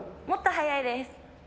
もっと速いです。